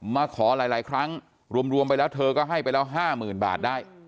มาขอหลายครั้งรวมไปแล้วเธอก็ให้ไปแล้ว๕๐๐๐บาทได้